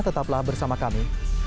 tetaplah bersama kami